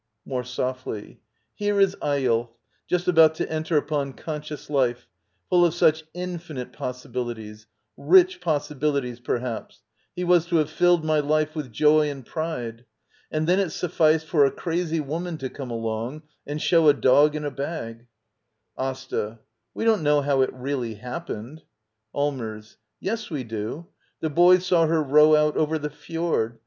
[More softly.] Here is Eyolf, just about to enter upon conscious life, full of such infinite possibilities — rich possi bilities, perhaps: he was to have filled my life with joy and pride. And then it sufficed for a crazy woman to come along « n; and show a dog^iaa bag — AsTA. We don't know how it really happened. Allmers. Yes, we do. The boys saw her row out over the fjord.